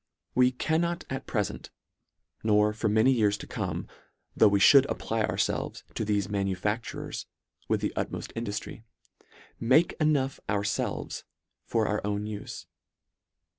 We cannot at prefent, nor for many years to come, though we fhould apply ourfelves to thefe manufactures with the utmoft induftry, make enough ourfelves for our own ufe.